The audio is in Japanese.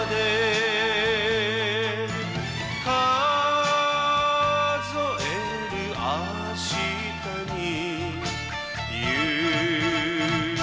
「数えるあしたに夢灯り」